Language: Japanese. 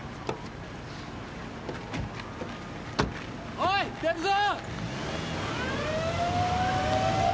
おい出るぞ！